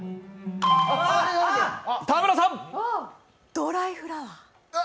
「ドライフラワー」。